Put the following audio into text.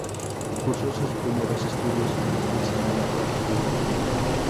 Cursó sus primeros estudios en Ensenada, Baja California.